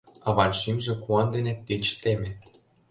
— аван шӱмжӧ куан дене тич теме.